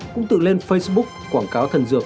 cũng tự lên facebook quảng cáo thần dược